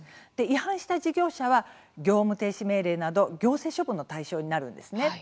違反した事業者は業務停止命令など行政処分の対象になるんですね。